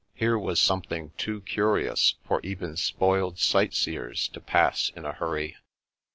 Here was something too curious for even spoiled sightseers to pass in a hurry.